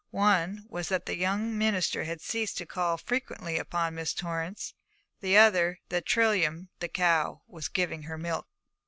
One was that the young minister had ceased to call frequently upon Miss Torrance; the other, that Trilium, the cow, was giving her milk.